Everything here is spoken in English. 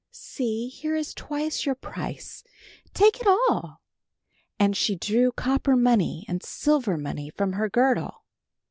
"See, here is twice your price; take it all," and she drew copper money and silver money from her girdle.